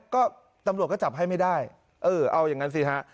ก็ตำรวจก็จับให้ไม่ได้เออเอาอย่างนั้นสิฮะ